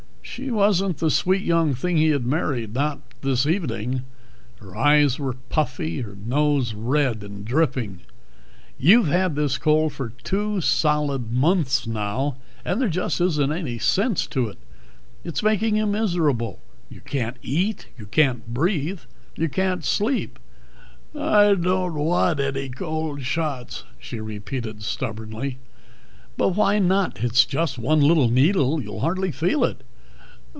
She wasn't the sweet young thing he had married, not this evening. Her eyes were puffy, her nose red and dripping. "You've had this cold for two solid months now, and there just isn't any sense to it. It's making you miserable. You can't eat, you can't breathe, you can't sleep." "I dod't wadt eddy cold shots," she repeated stubbornly. "But why not? Just one little needle, you'd hardly feel it."